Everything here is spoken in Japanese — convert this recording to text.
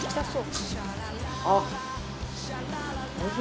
あっ。